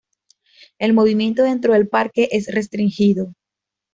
El movimiento dentro del parque es restringido.